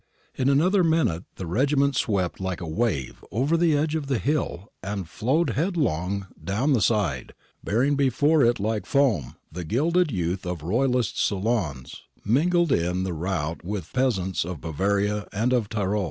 In another minute the regiment swept like a wave over the edge of the hill and flowed headlong down the side, bearing before it like foam the gilded youth of Royalist salons, mingled in the rout with the peasants of Bavaria and of Tyrol.